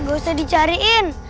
nggak usah dicariin